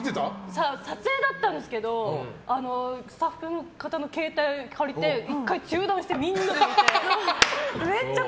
撮影だったんですけどスタッフの方の携帯を借りて１回中断して、みんなで見て。